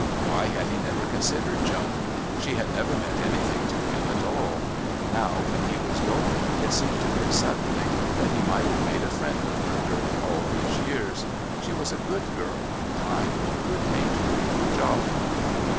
Why had he never considered Joan? She had never meant anything to him at all. Now, when he was going, it seemed to him suddenly that he might have made a friend of her during all these years. She was a good girl, kind, good natured, jolly.